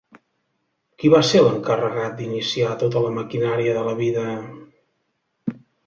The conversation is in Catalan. Qui va ser l'encarregat d'iniciar tota la maquinària de la vida?